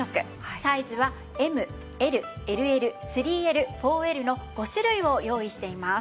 サイズはＭＬＬＬ３Ｌ４Ｌの５種類を用意しています。